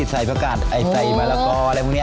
ใส่แผลกัจใส่มะละกอเหมือนเนี้ย